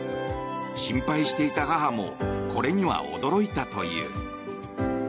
心配していた母もこれには驚いたという。